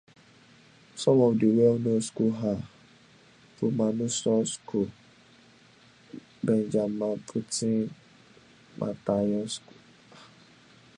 Some of the well-known schools are Prommanusorn School, Benjamaputit Mattayom school.